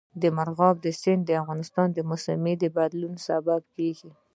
مورغاب سیند د افغانستان د موسم د بدلون سبب کېږي.